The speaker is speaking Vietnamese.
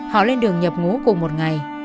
họ lên đường nhập ngũ cùng một ngày